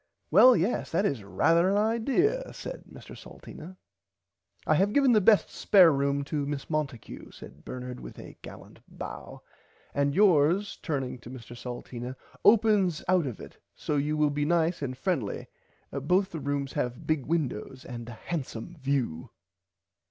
Well yes that is rarther an idear said Mr Salteena. I have given the best spare room to Miss Monticue said Bernard with a gallant bow and yours turning to Mr Salteena opens out of it so you will be nice and friendly both the rooms have big windows and a handsome view.